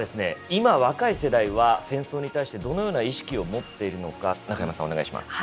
今若い世代は戦争に対してどのような意識を持っているのか中山さんお願いします。